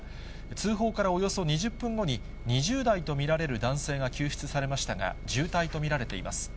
通報からおよそ２０分後に、２０代と見られる男性が救出されましたが、重体と見られています。